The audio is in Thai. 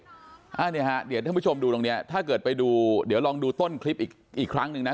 ท่านผู้ชมดูตรงนี้ถ้าเกิดไปดูเดี๋ยวลองดูต้นคลิปอีกครั้งหนึ่งนะ